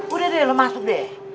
udah deh lo masuk deh